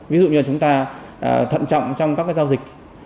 ví dụ như chúng ta thận trọng trong các giao dịch